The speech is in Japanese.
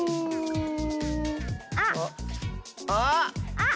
あっ。